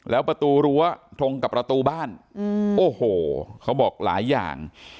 แล้วประตูรั้วตรงกับประตูบ้านโอ้โหเขาบอกหลายอย่าง